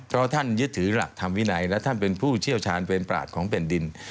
เพราะท่านยึดถือหลักธรรมวินัยและท่านเป็นผู้เชี่ยวชาญเป็นปราศของแผ่นดิน